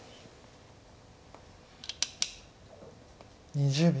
２０秒。